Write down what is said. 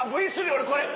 俺これ！